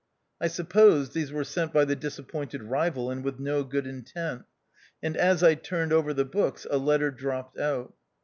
I supposed these were sent by the disappointed rival, and with no good intent ; and as I turned over the books a letter dropped out.